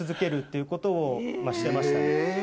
いうことをしてましたね。